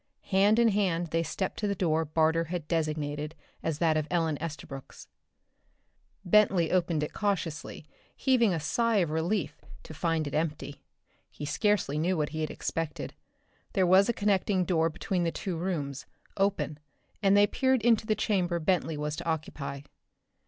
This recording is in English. Hand in hand they stepped to the door Barter had designated as that of Ellen Estabrook's. Bentley opened it cautiously, heaving a sigh of relief to find it empty. He scarcely knew what he had expected. There was a connecting door between the two rooms, open, and they peered into the chamber Bentley was to occupy.